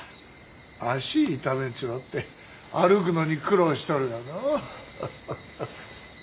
足痛めちまって歩くのに苦労しとるがのうフフフ。